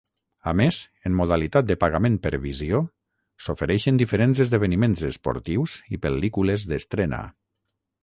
A més, en modalitat de pagament per visió, s'ofereixen diferents esdeveniments esportius i pel·lícules d'estrena.